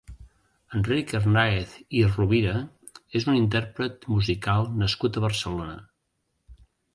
Enric Hernàez i Rovira és un intérpret musical nascut a Barcelona.